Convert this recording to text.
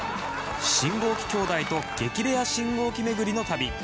信号機兄弟と激レア信号機巡りの旅！